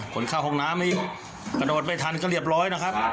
กระโดดไปทันก็เรียบร้อยนะครับ